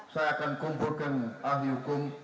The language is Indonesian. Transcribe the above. saya akan kumpulkan ahli hukum